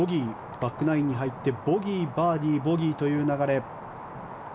バックナインに入ってボギー、バーディー、ボギーという流れ。